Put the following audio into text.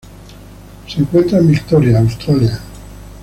Se encuentra en Victoria Australia